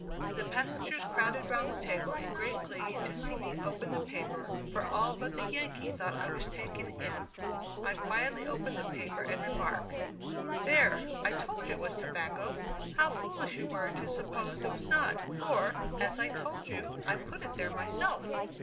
The passengers crowded round the table in great glee to see me open the paper, for all but the Yankee thought I was taken in. I quietly opened the paper, and remarked: "There, I told you it was tobacco how foolish you were to suppose it was not for, as I told you, I put it there myself."